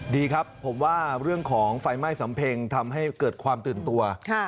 ดีครับผมว่าเรื่องของไฟไหม้สำเพ็งทำให้เกิดความตื่นตัว